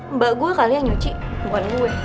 mbak gue kali yang nyuci bukan gue